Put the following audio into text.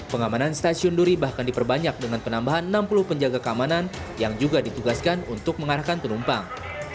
pengamanan stasiun duri bahkan diperbanyak dengan penambahan enam puluh penjaga keamanan yang juga ditugaskan untuk mengarahkan penumpang